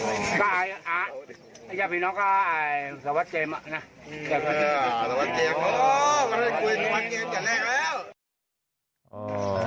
อ๋อสารวัตต์เจมส์โหเรียกได้คุยสารวัตต์เจมส์จากแรกแล้ว